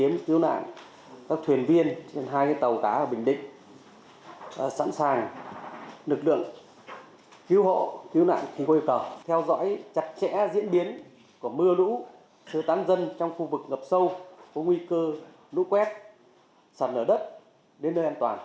mưa lớn sẽ gây ảnh hưởng đến công tác tìm kiếm cứu hộ cứu nạn và có nguy cơ gây sạt lở đất